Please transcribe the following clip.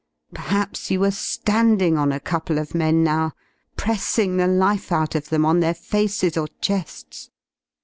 Perhaps i^ you were landing on a couple of men now, pressing the / life out of them, on their faces or che^s.